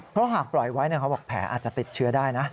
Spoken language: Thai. เพราะหากปล่อยไว้เขาบอกแผลอาจจะติดเชื้อได้นะ